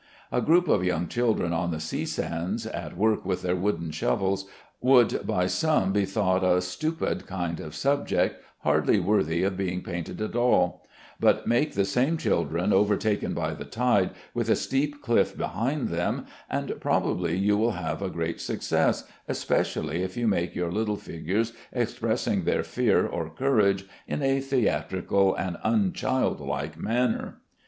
A group of young children on the sea sands, at work with their wooden shovels, would by some be thought a stupid kind of subject, hardly worthy of being painted at all; but make the same children overtaken by the tide, with a steep cliff behind them, and probably you will have a great success, especially if you make your little figures expressing their fear or courage in a theatrical and unchildlike manner.